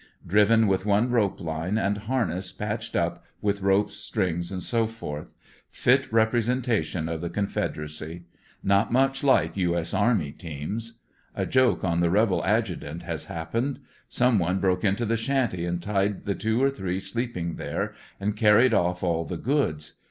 Driven with one rope line, and harness patched up with ropes, strings, &c. Fit representation of the Confederacy. Not much like U S . Army teams. A joke on the rebel adjutant has happened. Some one broke into the shanty and tied the two or three sleeping there, and carried off all the goods.